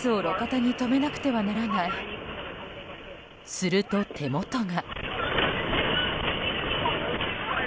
すると手元が。